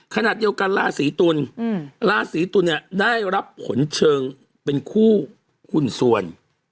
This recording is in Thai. ขนาดเดียวกันราศีตุลราศีตุลเนี่ยได้รับผลเชิงเป็นคู่หุ่นส่วน